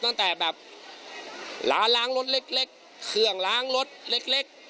ตั้งแต่แบบร้านล้างรถเล็กเครื่องล้างรถเล็ก